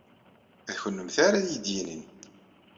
D kennemti ara iyi-d-yinin.